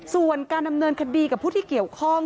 ส่วนการดำเนินคดีกับผู้ที่เกี่ยวข้อง